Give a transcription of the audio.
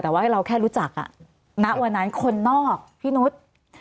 แต่ว่าเราแค่รู้จักณวันนั้นคนนอกพี่นุษย์